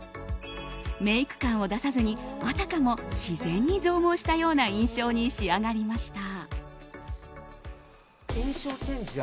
メイク感を出さずにあたかも自然に増毛したような印象に仕上がりました。